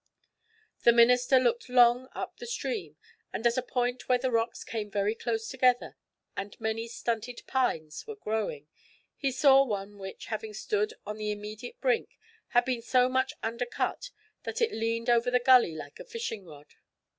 The minister looked long up the stream, and at a point where the rocks came very close together, and many stunted pines were growing, he saw one which, having stood on the immediate brink, had been so much undercut that it leaned over the gully like a fishing rod.